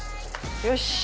よし！